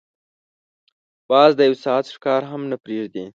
باز د یو ساعت ښکار هم نه پریږدي